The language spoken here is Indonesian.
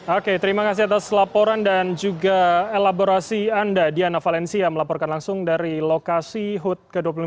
oke terima kasih atas laporan dan juga elaborasi anda diana valencia melaporkan langsung dari lokasi hud